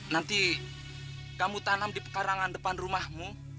nanti kamu tanam di pekarangan depan rumahmu